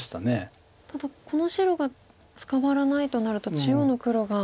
ただこの白が捕まらないとなると中央の黒が。